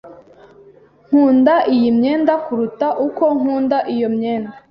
Nkunda iyi myenda kuruta uko nkunda iyo myenda.